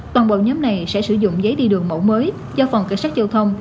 toàn bộ nhóm này sẽ sử dụng giấy đi đường mẫu mới do phòng cảnh sát dâu thông